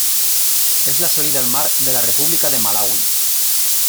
Es la salida al mar de la República de Malaui.